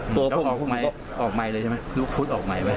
ออกใหม่เลยใช่ไหมลูกพุทธออกใหม่ไหม